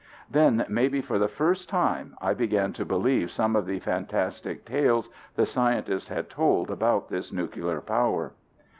Then maybe for the first time I began to believe some of the fantastic tales the scientists had told about this nuclear power."